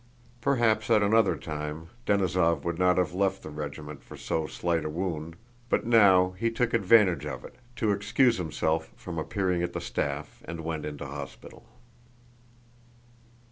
Perhaps at another time Denísov would not have left the regiment for so slight a wound, but now he took advantage of it to excuse himself from appearing at the staff and went into hospital.